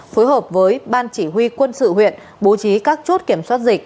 phối hợp với ban chỉ huy quân sự huyện bố trí các chốt kiểm soát dịch